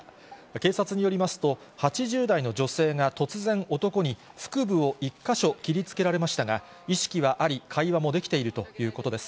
警察によりますと、８０代の女性が突然、男に腹部を１か所切りつけられましたが、意識はあり、会話もできているということです。